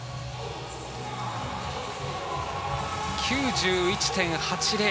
９１．８０。